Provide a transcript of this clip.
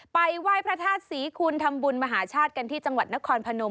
ไปไหว้พระธาตุศรีคุณทำบุญมหาชาติกันที่จังหวัดนครพนม